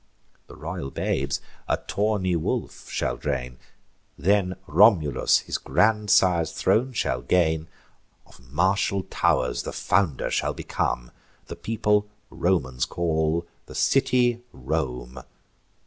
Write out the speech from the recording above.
The royal babes a tawny wolf shall drain: Then Romulus his grandsire's throne shall gain, Of martial tow'rs the founder shall become, The people Romans call, the city Rome.